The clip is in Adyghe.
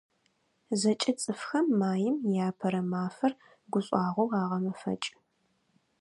ЗэкӀэ цӀыфхэм Маим и Апэрэ мафэр гушӀуагъоу агъэмэфэкӀы.